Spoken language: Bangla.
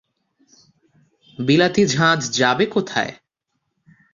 বিলাতি ঝাঁজ যাবে কোথায়!